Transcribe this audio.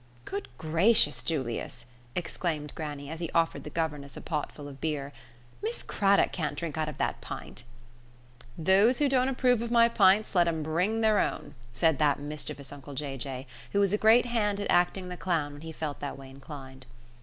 "Good gracious, Julius!" exclaimed grannie, as he offered the governess a pot full of beer, "Miss Craddock can't drink out of that pint." "Those who don't approve of my pints, let 'em bring their own," said that mischievous uncle Jay Jay, who was a great hand at acting the clown when he felt that way inclined.